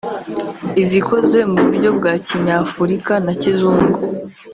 izikoze mu buryo bwa kinyafurika na kizungu